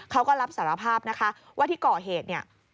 เขาก็รับสารภาพนะคะว่าที่ก่อเหตุเนี่ย